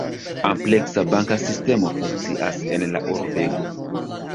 Ampleksa banka sistemo funkcias en la urbego.